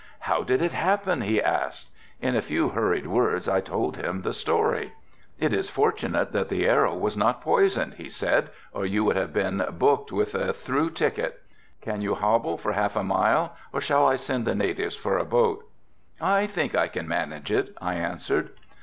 "How did it happen," he asked. In a few hurried words I told him the story. "It is fortunate that the arrow was not poisoned," he said "or you would have been booked with a through ticket. Can you hobble for half a mile or shall I send the natives for a boat?" "I think I can manage it," I answered.